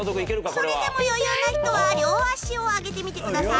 それでも余裕な人は両足を上げてみてください。